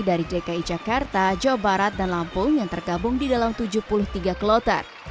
dari dki jakarta jawa barat dan lampung yang tergabung di dalam tujuh puluh tiga kloter